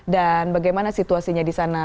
dan bagaimana situasinya di sana